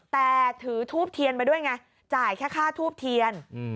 แต่ถือทูบเทียนมาด้วยไงจ่ายแค่ค่าทูบเทียน